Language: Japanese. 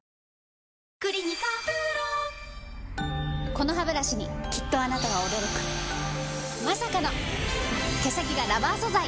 このハブラシにきっとあなたは驚くまさかの毛先がラバー素材！